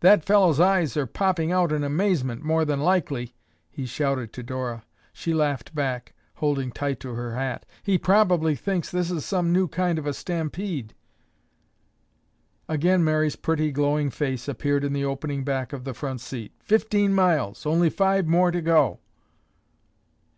"That fellow's eyes are popping out in amazement, more than likely," he shouted to Dora. She laughed back, holding tight to her hat. "He probably thinks this is some new kind of a stampede." Again Mary's pretty glowing face appeared in the opening back of the front seat. "Fifteen miles! Only five more to go."